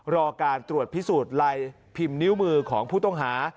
รอการตรวจพิสูจน์ลายพิมพ์นิ้วมือของผู้ต้องหา